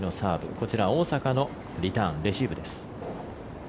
こちら、大坂のリターンレシーブです。